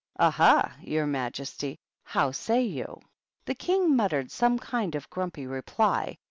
Ah, ha ! your majesty ! How say you ?" The King muttered some kind of grumpy reply.